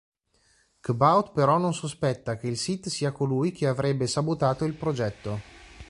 C'baoth però non sospetta che il Sith sia colui che avrebbe sabotato il progetto.